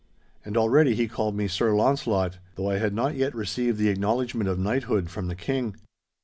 And already he called me Sir Launcelot, though I had not yet received the acknowledgment of knighthood from the King.